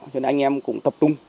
cho nên anh em cũng tập trung